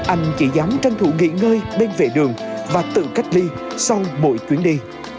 anh chỉ dám tranh thủ nghỉ ngơi bên vệ đường và tự cách ly sau mỗi chuyến đi